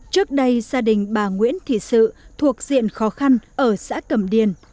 trước đây gia đình bà nguyễn thị sự thuộc diện khó khăn ở xã cầm điền